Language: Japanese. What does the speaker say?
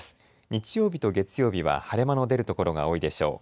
日曜日と月曜日は晴れ間の出る所が多いでしょう。